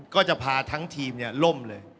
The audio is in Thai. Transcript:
ก็จะพาทั้งทีมล่มเลย